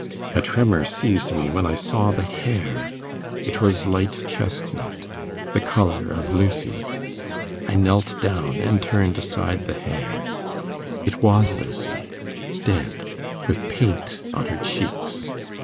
A tremor seized me when I saw the hair: it was light chestnut the colour of Lucy's. I knelt down and turned aside the hair; it was Lucy dead with paint on her cheeks.